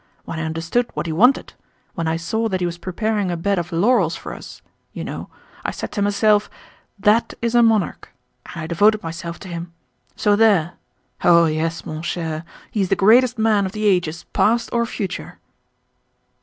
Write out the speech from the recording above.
When I understood what he wanted—when I saw that he was preparing a bed of laurels for us, you know, I said to myself: 'That is a monarch,' and I devoted myself to him! So there! Oh yes, mon cher, he is the greatest man of the ages past or future."